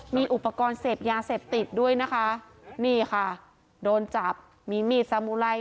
มีอุปกรณ์เสพยาเสพติดด้วยนะคะนี่ค่ะโดนจับมีมีดสามุไร